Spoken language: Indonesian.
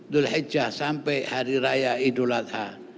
dulhijjah sampai hari raya idul adha